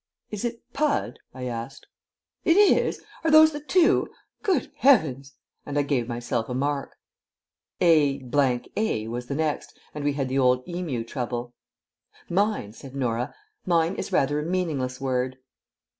"Is it 'pud'?" I asked. "It is? Are those the two? Good heavens!" and I gave myself a mark. A A was the next, and we had the old Emu trouble. "Mine," said Norah "mine is rather a meaningless word."